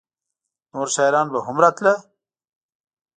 نور شاعران به هم راتله؟